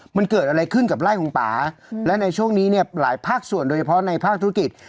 มันเกิดอะไรขึ้นกับไล่ของป่าและในช่วงนี้เนี่ยหลายภาคส่วนโดยเฉพาะในภาคธุรกิจ